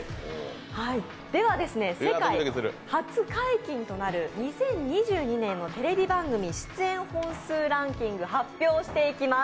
では、世界初解禁となる２０２２年のテレビ番組出演本数ランキングを発表していきます。